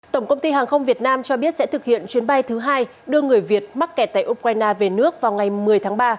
tổng công ty hàng không việt nam cho biết sẽ thực hiện chuyến bay thứ hai đưa người việt mắc kẹt tại ukraine về nước vào ngày một mươi tháng ba